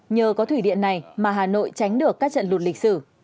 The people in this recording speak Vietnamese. nhờ có thủy điện này mà hà nội tránh được các trận lụt lịch sử